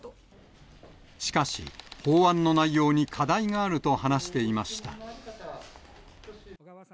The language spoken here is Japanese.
しかし、法案の内容に課題があると話していました。